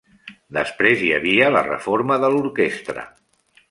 Després hi havia la reforma de l'orquestra.